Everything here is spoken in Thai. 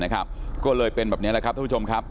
ก็เลยเป็นแบบนี้ดีละครับชุดทวมครับ